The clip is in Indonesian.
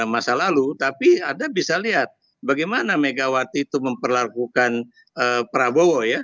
masa lalu tapi anda bisa lihat bagaimana megawati itu memperlakukan prabowo ya